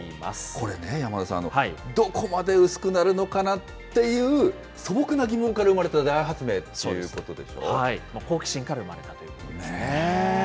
これね、山田さん、どこまで薄くなるのかなっていう素朴な疑問から生まれた大発明と好奇心から生まれたということですね。